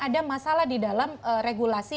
ada masalah di dalam regulasi